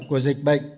của dịch bệnh